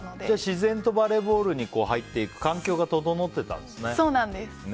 自然とバレーボールに入っていく環境が整ってたんですね。